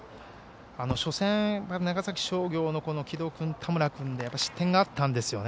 初戦、長崎商業の城戸君、田村君で失点があったんですよね。